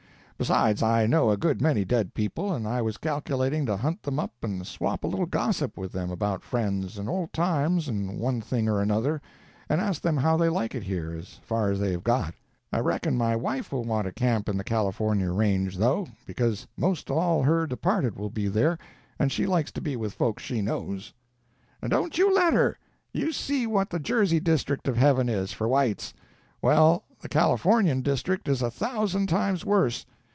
Besides, I know a good many dead people, and I was calculating to hunt them up and swap a little gossip with them about friends, and old times, and one thing or another, and ask them how they like it here, as far as they have got. I reckon my wife will want to camp in the California range, though, because most all her departed will be there, and she likes to be with folks she knows." "Don't you let her. You see what the Jersey district of heaven is, for whites; well, the Californian district is a thousand times worse.